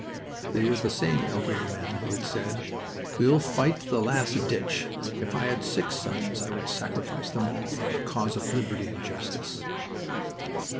They were the same elderly men who had said: "We'll fight to the last ditch. If I had six sons I would sacrifice them all in the cause of liberty and justice."